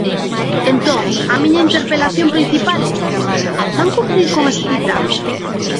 Entón, a miña interpelación principal é: ¿van cumprir con ese ditame?